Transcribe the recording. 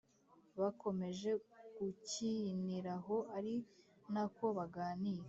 bakomeje gukiniraho ari nako baganira